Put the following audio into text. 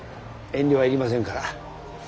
遠慮はいりませんから。